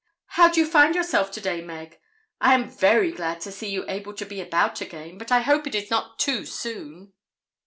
'How do you find yourself to day, Meg? I am very glad to see you able to be about again; but I hope it is not too soon.'